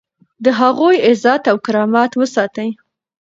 د هغوی عزت او کرامت وساتئ.